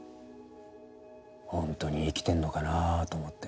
ほんとに生きてんのかなと思って。